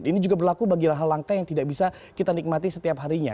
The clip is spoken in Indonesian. ini juga berlaku bagi hal hal langka yang tidak bisa kita nikmati setiap harinya